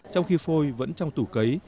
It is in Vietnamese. trong khi phôi vẫn trong tủ cấy